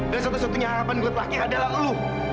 dan satu satunya harapan gue terakhir adalah lo